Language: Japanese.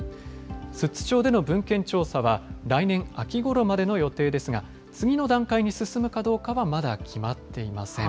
寿都町での文献調査は、来年秋ごろまでの予定ですが、次の段階に進むかどうかはまだ決まっていません。